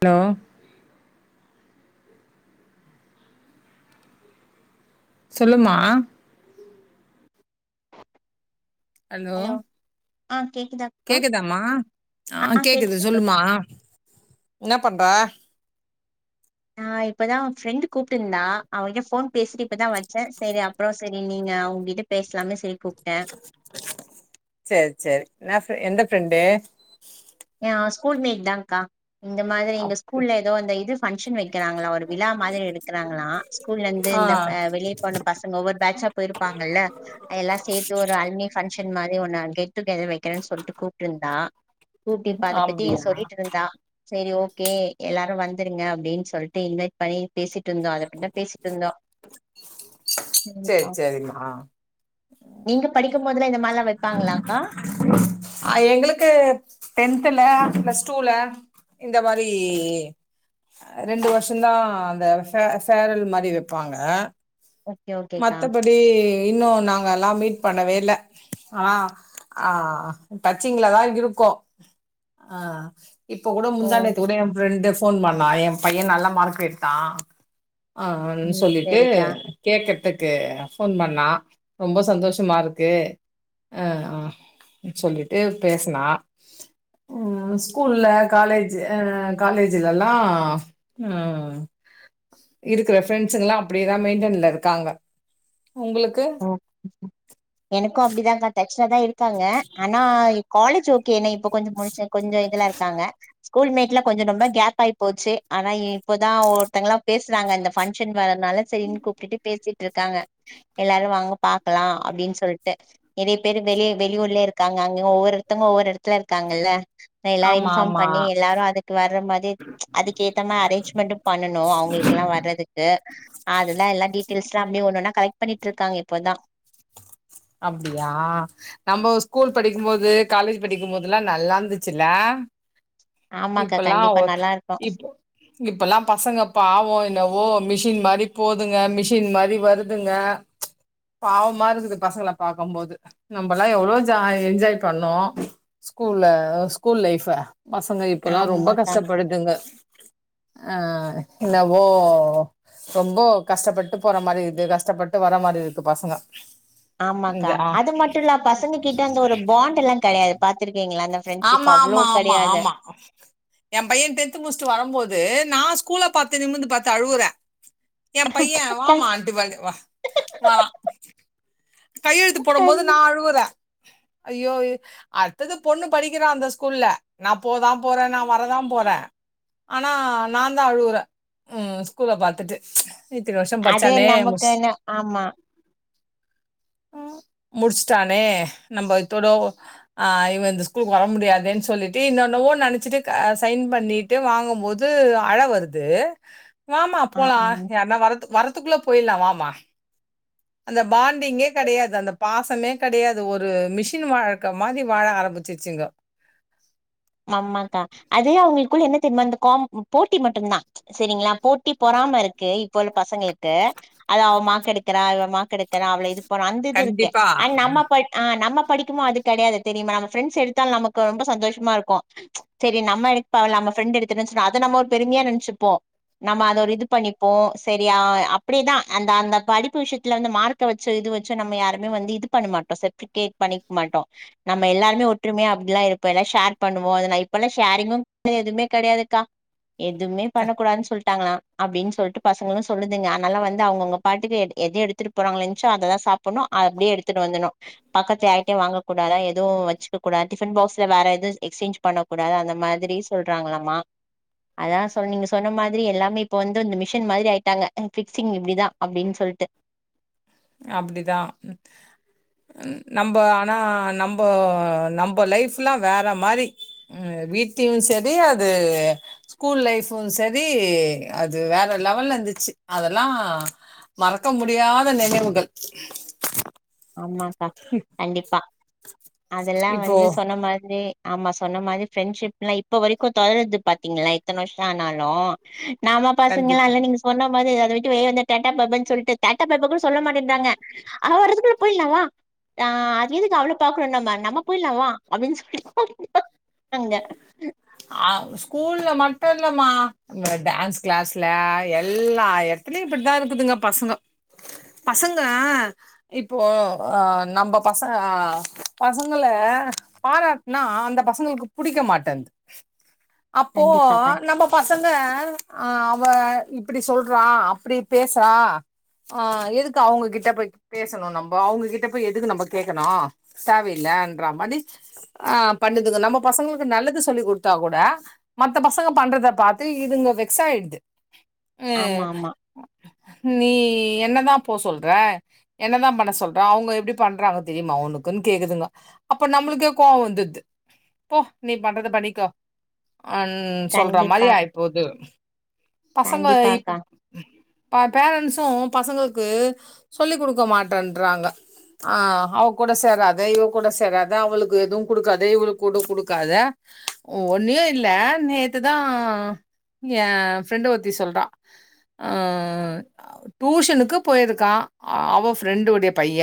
Hello சொல்லுமா hello ஆ கேக்குதா அக்கா கேக்குதாம ஆஹ் ஆ கேக்குது கேக்குதுக்கா சொல்லுமா பண்றே நான் இப்பதான் ஃப்ரெண்டு் கூப்பிட்டு இருந்தா அவகிட்ட போன் பேசிட்டு இப்பதான் வச்சேன் சரி அப்புறம் சரி நீங்க அவங்ககிட்ட பேசலாமே சரி சரி சரி நான் எந்த ஃபிரெண்டு ஏ ஸ்கூல் மேட் தான்க்கா இந்த மாதிரி எங்க ஸ்கூல்ல ஏதோ அந்த இது ஃபங்க்ஷன் வைக்கிறாங்களா ஒரு விழா மாதிரி எடுக்கிறாங்களாம் ஸ்கூல்ல இருந்து ஆ இந்த வெளியே போன பசங்க ஒவ்வொரு பேட்சா போயிருப்பாங்கல்ல அதெல்லாம் சேர்த்து ஒரு அல்மினி ஃபங்க்ஷன் மாதிரி கெட்டுகதர் மாதிரி இந்த வைக்கிறாங்கன்னு சொல்லி கூப்பிட்டு இருந்தா கூப்பிட்டு அத பத்தி அப்டியா எங்கிட்ட சொல்லிட்டு இருந்தா சரி ஓகே எல்லாரும் வந்துருங்க அப்படின்னு சொல்லிட்டு இன்வைட் பண்ணி பேசிட்டு இருந்தோம் அதை பற்றி தான் பேசிட்டு இருந்தோம் சரி சரிமா நீங்க படிக்கும் போது இந்த மாதிரி எல்லாம் வைப்பாங்களாக்கா ஆ எங்களுக்கு டென்தல பிளஸ் டூல இந்த மாதிரி ரெண்டு வருஷம்தான் அந்த சேரல் மாதிரி வைப்பாங்க ஓகே ஓகேக்கா மத்தபடி இன்னு நாங்கல்லா மீட் பண்ணவே இல்ல ஆ ஆ டச்சிங்லதா இருக்கோ ஆ இப்ப கூட ஓ முந்தானேத்து கூட ஏ பிரஎண்ட்ஸ் போன் பண்ணா ஏ பைய நல்ல மார்க் எடுத்தா அஹ்ஹனு ம் சொல்லிட்டு சரிக்கா கேக் த்துக்கு போன் பண்ணா ரொம்ப சந்தோஷமாருக்கு அ ஆ சொல்லிட்டு பேசனா உம் ஸ்கூல்ல காலேஜு ஆஹ் காலேஜலல்லா ம் இருக்கற பிரண்ட்ஸல்லா அப்டியேதா மெயின்டன்ல இருக்காங்க உங்களுக்கு ம் எனக்கு அப்டிதாக்கா பிரன்ஸ்ஸாதா இருக்காங்க ஆனால் ஏ காலே ட்ஸ் ஓகேன இப்ப கொஞ்ச முடிச் கொஞ்ச இதுல இருக்காங்க ஸ்கூல்மேட்ல கொஞ்ச ரொம்ப கேப் ஆயி போச்சு ஆனா இப்போதா ஒருத்தவங்கலா பேசுறாங்க இந்த பங்க்ஷன் வரறதுனாலு சரின்னு கூப்பிட்டு பேசிட்டுருக்காங்க எல்லாரு வாங்க பாக்கலா அப்படின்னு சொல்லிட்டு நெறைய பேர் வெளியே வெளியூர்லய இருக்காங்க அங்கங்க ஒவ்வொருத்துங்க ஒவ்வொரு எடத்துல இருக்காங்கல்ல எல்லாரு ஆமா இன்ஃபார்ம் ஆமா பண்ணி எல்லாரு அதுக்கு வர்ற மாரி அதுக்கு ஏத்த மாரி அரேஞ்ச்மெண்ட்டு பண்ணனு அவங்களுக்குல்லா வர்றதுக்கு அதுதலா எல்லா டீடெயில்ஸ்லா அப்டியே ஒன்னொன்னா கலெட் பண்ணிட்ருக்காங்க இப்போதா அப்டியா நம்போ ஸ்கூல் படிக்கும்மோது காலேஜ் படிக்குமோதுலா நல்லாந்துச்சுல ஆமாக்கா இப்பலா ஒ கண்டிப்பா நல்லா இருக்கு இப்போ இப்பலா பசங்க பாவ என்னவோ மிஷின் மாரி போதுங்க மிஷின் மாரி வருதுங்க பாவமா இருக்குது பசங்கள பாக்கும்போது நம்பலா எவ்ளோ ஜா என்ஜாய் பண்ணோ ஸ்கூல ஸ்கூல் லைஃப பசங்க இப்பலா ரொம்ப ஆமாக்கா கஷ்டப்படுதுங்க அ என்னவோ ரொம்ப கஷ்டப்பட்டு போற மாரி இருக்கு கஷ்டப்பட்டு வர மாரி இருக்கு பசங்க ஆமாக்கா இந்த ஆ அது மட்டுல்ல பசங்க கிட்ட அந்த ஒரு பாண்ட் எல்லா கெடையாது பாத்துருக்கிங்ளா ஆமா ஆமா ஆமா ஆமா எம் பைய டென்த் முடிச்ட்டு வரம்போது வந்து நா ஸ்கூல பாத்து நிமிந்து பாத்து அழுவுறே எம் பைய வாமான்ட்டு வ வா வா கையெழுத்து போடும் போது நா அழுவுறே ஐயோ அத்தது பொண்ணு படிக்கிறா அந்த ஸ்கூல்ல நா போதா போறே நா வரதா போறே ஆனா நாந்தா அழுகுறே ம் ஸ்கூல பாத்துட்டு அதே நமக்குன ஆமா முடிச்சுட்டானே நம்ம இத்தோட ஆ இவ இந்த ஸ்கூலுக்கு வர முடியாதேன் சொல்லிட்டு இன்னென்னவோ நெனைச்சிட்டு சைன் பண்ணிட்டு வாங்கும் போது அழ வருது வாமா ஆ போலா ஆ யார்னா வரத் வரத்துக்குள்ள போயிலா வா மா அந்த பாண் டிங்கே கெடையாது அந்த பாசமே கெடையாது ஒரு மிஷின் வாழ்க்க மாரி வாழ ஆரம்பிச்சிச்சுங்க ஆமாக்கா அது அவுங்ளுக்குள்ள என் ன தெரிமா இந்த காம் போட்டி மட்டுந்தா சரிங்ளா போட்டி பொறாம இருக்கு இப்போ உள்ள பசங்ளுக்கு அத அவ மார்க் எடுக்கறா இவ மார்க் எடுக்கறா அவள அப்புறோ அந்த இது இருக்கு கண்டிப்பா. அ நம்ம ம். போய் அ நம்ம.. படிக்குமா அது கிடையாது தெரியுமா நம்ம ஃப்ரெண்ஸ் எடுத்தால் நமக்கு ரொம்ப சந்தோஷமா இருக்கு சேரி நம்ம எடுத்தாலு நம்ம ஃப்ரெண்டு எடுத்துட்டனு சொ அத நம்ம ஒரு பெருமையா நென்சுப்போ நம்ம அத ஒரு இது பண்ணிப்போ சரியா அப்டிதா அந்த அந்த படிப்பு விஷயத்துல வந்து மார்க வச்சு இது வச்சு நம்ம யாருமே வந்து இது பண்ண மாட்டோ சர்ட்பிகேட் பண்ணிக்க மாட்டோ நம்ம எல்லாருமே ஒற்றுமையா அப்படிலா இருப்போ எல்லா ஷேர்.. பண்ணுவோ அது நா இப்பெல்லா ஷேரிங்கும் எதுவுமே கிடையாதுக்கா. எதுமே க பண்ணக்கூடாதுனு சொல்.. ட்டாங்களா அப்படின்னு சொல்ட்டு பசங்களூ சொல்லுதுங்க அதனால வந்து அவங்கவுங்க பாட்டுக்கு எத எடுத்துட்டு போறாங்க லன்ச்சோ அதைதா சாப்புட்ணூ அப்படியே எடுத்துட்டு வந்துணூ பக்கத்து யார்டியம் வாங்க கூடாதா எதுவூ வச்சுக்க கூடாது டிஃபன் பாக்ஸ்ல வேற எது.. எக்ஸ்சேஞ்ச் பண்ணக்கூடாது அந்த மாதிரி சொல்றாங்களாமா அதா சொல் நீங்க சொன்ன மாதிரி எல்லாமே இப்போ வந்து இந்த மிஷின் மாதிரி ஆயிட்டாங்க ஃபிக்சிங் இப்படிதா அப்டின்னு சொல்ட்டு. அப்படிதா நம்போ ஆனா நம்போ நம்போ லைஃப்ல்லா வேற மாரி வீட்டில் சரி அது ஸ்கூல் லைஃபும் சரி அது வேற லெவல்ல இருந்துச்சு அதெல்லா மறக்க முடியாத நினைவு. [inaudible] ஆமாக்கா கண்டிப்பா. அதெல்லா இப்போ வந்து சொன்ன மார் [unintelligible] ஆமா சொன்ன மாரி ஃப்ரெண்ட்ஷிப் எல்லா இப்ப வரைக்கு தொடருது பாத்தீங்களா எத்தன வருஷோ ஆனாலூ நாம பசங்கங்களா கண்டிப்பா. இல்ல நீங்க சொன்ன.. அத விட்டு வெளிய வந்து டா டா பா பாய் சொல்டு டா டா பா பாய் கூட சொல்ல மாட்டின்டாங்க அவ வர்றதுக்குள்ள போயிலாவா ஹ அது எதுக்கு அவள பாக்குறோ நம்ம நம்ம போயிலா வா அப்டின்னு சொல்லி. அஹ் ஸ்கூல்ல மட்டு இல்லமா இந்த டான்ஸ் கிளாஸ்ல எல்லா எட்த்துலயு இப்படித்தா இருக்குதுங்க பசங்கோ பசங்க இப்போ அஹ் நம்ம பச அ பசங்கள பாராட்னா அந்த பசங்களுக்கு புடிக்க மாட்ன்து அப்போ கண்டிப்பாக்கா நம்ம பஸ் பசங்க ஆஹ அவ இப்படி சொல்றா அப்படி பேசுறா ஆஹ எதுக்கு அவங்ககிட்ட போய் பேசணு நம்ம அவங்ககிட்ட போய் எதுக்கு நம்ம கேட்கணு தேவையில்ல என்ற மாரி ஆஹ பண்ணுதுக நம்ம பசங்களுக்கு நல்லது சொல்லி குடு கூட மத்த பசங்க பண்றத பாத்து இதுங்கோ வெக்ஸ்சாயிடுது ஆமா ஆமா நீ என்னதா போ சொல்ற என்னதா பண்ண சொல்ற அவுங்க எப்படி பண்றாங்க தெரியுமா உனக்குன்னு கேக்குதுங்க அப்போ நம்மள்க்கே கோவோ வந்துது போ நீ பண்றத பண்ணிக்கோ அஹம் சொல்ற மாதிரி கண்டிப்பா ஆய் போது பசங்க கண்டிப்பாக்கா இப்போ ப பேரண்ட்ஸும் பசங்களுக்கு சொல்லி் குடுக்க மாட்டன்றாங்க ஆஹ் அவ கூட சேராத இவ கூட சேராத அவளுக்கு எதுவும் குடுக்காத இவளுக்கு குட குடுக்காத ஒன்னுயு இல்ல நேத்துதா ஏ ஃப்ரெண்ட ஒர்தி சொல்றா ன்ஹ் டூஷனுக்கு போயிருக்கா அவ ஃப்ரெண்டு உடைய பைய்ய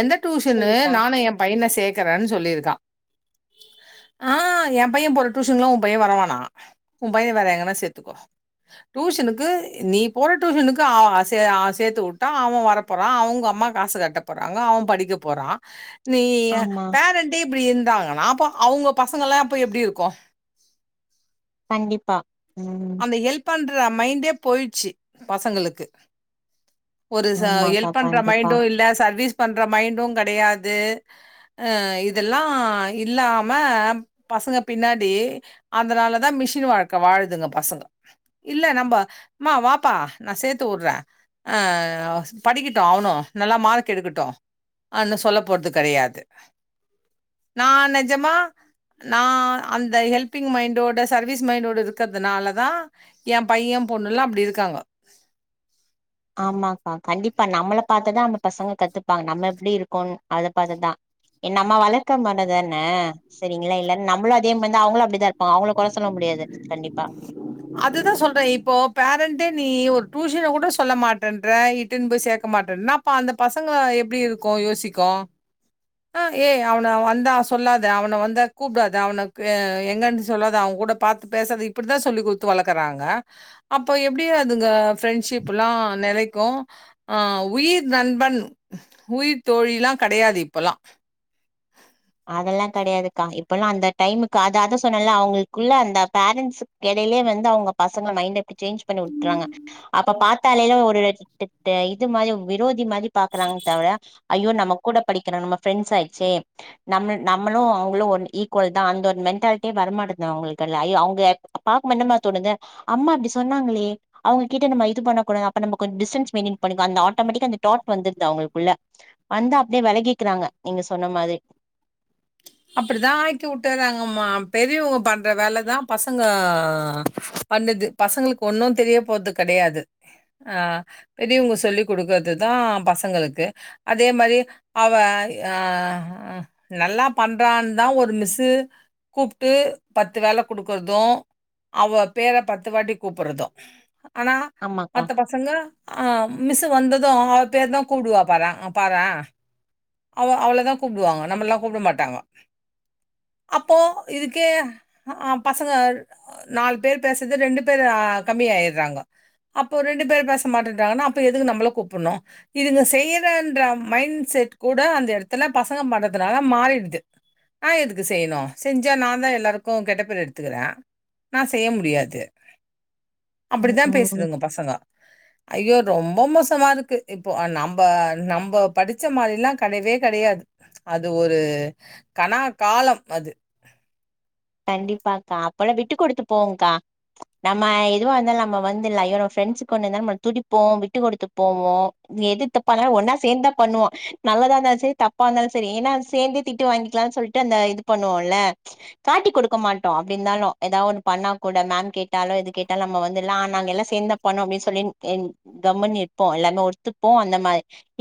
எந்த டூஷன்னு சேரிக்கா நானூ எ பையன சேக்கறனு சொல்லியிருக்கா ஆஹ் என் பையன் போற டூஷன்ல்லா ஊ பைய்ய வருவானா உஊ பைய்யன வேர எங்கன்னா சேர்த்துக்கோ டூஷ்சுனுக்கு நீ போற டூஷ்சுனுக்கு அ சே அ சேத்து வுட்டா அவ வர போறா அவுங்க அம்மா காசு கட்ட போறா அவன் படிக்க போறா நீ எ ஆமா பேறண்டி இப்டி இருந்தாங்கன்னா அப்போ அவுங்க பசங்கல்லா அப்போ எப்டி இருக்கூ கண்டிப்பா ம் அந்த ஹெல்ப் பன்ற மைண்டே போய்ட்சி பசங்களுக்கு ஒரு ச ஆமாக்கா எல்ப் பண்ற கண்டிப்பா மைண்டு இல்ல சர்வீஸ் பண்ற மைண்டு கெடையாது இதெல்லா இல்லாம பசங்க பின்னாடி அதனாலதா மிஷின் வாழ்க்க வாழுதுங்க பசங்க இல்ல நம்பா மா வாப்பா நா சேர்த்து உட்றே அ ஹாஸ் படிக்கிட்டு அவ்னு நல்லா மார்க் எடுக்கட்டு அன்னு சொல்ல போற்து கெடையாது நா நெஜமா நா அந்த ஹெல்பிங் மைண்டோட சர்வீஸ் மைண்டோட இருக்கத் தனாலதா என் பையெ பொண்ணுல்லா அப்டி இருக்காங்க ஆமாக்கா கண்டிப்பா நம்மள பாத்துதா அந்த பசங்க கத்துப்பாங்க நம்ம எப்டி இருக்கோன் அத பாத்துதா நம்ம வளக்கமானதான சரிங்ளா இல்லன் நம்மளு அதே மாருந்தா அவுங்குளு அப்பிடிதா இருப்பாங்க அவுங்கள கொற சொல்ல முடியாது கண்டிப்பா அதுதா சொல்றே இப்போ பேரண்ட்டே நீ ஒரு டியூஷன் கூட சொல்ல மாட்டன்ற இட்டுனு போய் சேக்க மாட்டேன்னா அப்ப அந்த பசங்க எப்டி இருக்கு யோசிக்கு ஆ ஏய் அவன வந்தா சொல்லாத அவன வந்தா கூப்டாத அவுனுக்கு எங்கன் சொல்லாத அவங்கூட பாத்து பேசாத இப்டிதா சொல்லி குடு த்து வளக்கறாங்க அப்ப எப்டி அதுங்க ஃபிரண்டஷிப்லா நெலைக்கு ஆ உயிர் நண்பன் உயிர் தோழிலா கெடையாது இப்பல்லா அதெல்லா கெடையாதுக்கா இப்பல்லா அந்த டைமுக்கு அத அத சொன்னல அவுங்ளுக்குள்ள அந்த பேரண்ட்ஸுக்கு எடையிலயே வந்து அவங்க பசங்க மைண்ட சேன்ச் பண்ணி உட்றாங்க அப்ப பாத்தாலே ஒரு இது மாரி விரோதி மாரி பாக்கறாங்க தவர ஐயோ நம்ம கூட படிக்கிற நம்ம ஃப்ரெண்ட்ஸ் ஆச்சே நம்ம நம்மளு அவங்களு ஒன் ஈக்வல்தா அந்த ஒரு மென்டாலிட்டியே வரமாட்டங்து அவுங்ளுக்கெல்லா ஐயோ அவுங்க பாக்கமோ என்னமா தோணுது அம்மா அப்பிடி சொன்னாங்களே அவங்க கிட்ட நம்ம இது பண்ணக்கூடாது அப்ப நம்ம கொஞ்ச டிஸ்டன்ஸ் மெயின்டன் பண்ணிக்வோ அந்த ஆட்டோமேட்டிக்கா அந்த டாட் வந்துருது அவங்ளுக்குள்ள வந்து அப்டியே வெலகிக்கறாங்க நீங்க சொன்ன மாதிரி அப்பிடிதா ஆக்கி உட்டர்றாங்கம்மா பெரியவ்ங்க பண்ற வேலதா பசங்க பண்ணுது பசங்களுக்கு ஒன்னு தெரிய போறது கெடையாது ஆ பெரியவுங்க சொல்லி குடுக்கறதுதா பசங்களுக்கு அதே மாரி அவ அ நல்லா பண்றான்தா ஒரு மிஸ்ஸு கூப்டு பத்து வேல குடுக்குறது அவ பேர பத்து வாட்டி கூப்பர்றது ஆனா ஆமாக்கா மத்த பசங்க ஆ மிஸ்ஸு வந்தது அவ பேரதா கூப்டுவா பாரே ஆ பாரே அவ அவளதா கூப்டுவாங்க நம்ளலா கூப்ட மாட் டாங்க அப்போ இதுக்கே அ பசங்க நாலு பேர் பேசறது ரெண்டு பேரா கமி ஆயர்றாங்க அப்ப ரெண்டு பேர் பேச மாட்டன்றாங்கனா அப்ப எதுக்கு நம்மள கூப்புண்ணு இதுங்க செய்யறேன்ற மைன்ட்செட் கூட அந்த எடத்துல பசங்க பண்றதுனால மாறிடுது நா எதுக் செய்னு செஞ்சா நாந்தா எல்லாருக்கு கெட்ட பேர் எடுத்துக்கறே நா செய்ய முடியாது ம் அப்பிடித்தா ம் பேசுதுங்க பசங்க ஐயோ ரொம்ப மோசமா இருக்கு இப்போ நம்ப நம்ப படிச்ச மாரிலா கெடையவே கெடையாது அது ஒரு கனா காலம் அது கண்டிப்பாக்கா அப்பல்லா விட்டு குடுத்து போவோங்க்கா நம்ம எதுவா இருந்தாலு நம்ம வந்துலா எ ஃப்ரெண்ட்ஸுக்கு ஒண்ணுனாலு நம்ம துடிப்போ விட்டு குடுத்து போவோ எது தப்பா இருந்தாலு ஒன்னா சேந்துதா பண்ணுவோ நல்லதா இருந்தாலு சரி தப்பா இருந்தாலு சரி ஏனா சேந்தே திட்டு வாங்கிக்லான் சொல்ட்டு அந்த இது பண்ணுவோல்ல காட்டி குடுக்க மாட்டோ அப்டிருந்தாலு எதா ஒன்னு பண்ணா கூட மேம் கேட்டாலு எது கேட்டாலு நம்ம வந்துலா நாங்க எல்லா சேந்துதா பண்ணோ அப்டின் சொல்லி கம்முன் இருப்போ எல்லாமே ஒர்த்துப்போ அந்த மா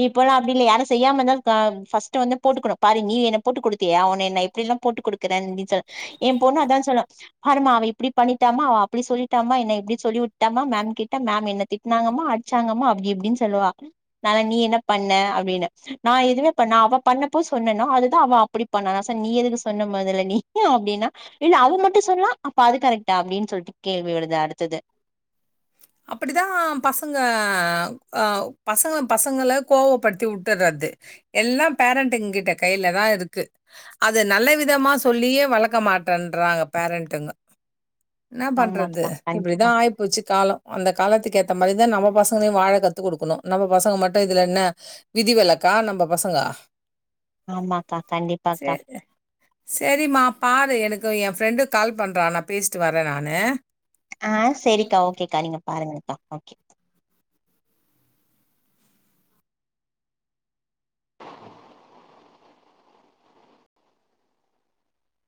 இப்போலா அப்டியில்ல யாரு செய்யாம இருந்தால க ஃபஸ்ட்டு வந்து போட்டுக்கணு பாரு நீ என்ன போட்டு குடுத்தியா உனை நா எப்டியெல்லா போட்டு குடுக்குறேன் அப்டின் சொ எம் பொண்ணு அதா சொல்லு பாருமா அவ இப்பிடி பண்ணிட்டாமா அவ அப்புடி சொல்லிட்டாமா என்ன இப்பிடி சொல்லி வுட்டாமா மேம் கிட்ட மேம் என்ன திட்னாங்கமா அட்ச்சாங்கமா அப்டி இப்டினு சொல்லுவா நானா நீ என்ன பண்ண அப்டின்ன நா எதுவே பண்ண அவ பண்ணப்போ சொன்னனோ அதுதா அவ அப்பிடி பண்ணா நா சொன்ன நீ எதுக்கு சொன்ன மொதல்ல நீ ஏ அப்டின்னா இல்ல அவ மட்டு சொல்லா அப்ப அது கரெக்டா அப்டின் சொல்ட்டு கேள்வி வருது அடுத்தது அப்பிடிதா பசங்க ஆ பசங்க பசங்கள கோவப்படுத்தி உட்டுர்றது எல்லா பேரண்ட்டுங்க கிட்ட கைலதா இருக்கு அது நல்ல விதமா சொல்லியே வளக்க மாட்டன்றறாங்க பேரண்ட்டுங்க என்ன பண்றது ஆமாப்பா இப்படிதா கண்டிப்பா ஆயிப்போச்சு காலோ காலத்துக்கு ஏத்த மாதிரிதா நம்ம பசங்களையு வாழ கத்து குடுக்கணு. நம்ம பசங்க மட்டு இதுல என்ன விதி விலக்கா நம்ம பசங்கோ.. ஆமாக்கா கண்டிப்பாக்கா சேரி சேரிமா பாரு எனக் இதோ என் ஃப்ரெண்டு கால் பண்றா. நா பேசிட்டு வர்ர நானூ.. ஆஹ் சேரிக்கா ஓகேக்கா நீங்க பாருங்கக்கா ஓகே.